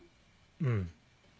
うん。